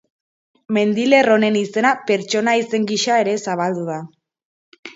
Mendilerro honen izena pertsona-izen gisa ere zabaldu da.